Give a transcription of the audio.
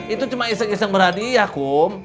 itu cuma iseng iseng beradi ya kum